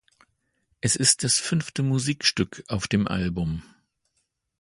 Es ist das fünfte Musikstück auf dem Album.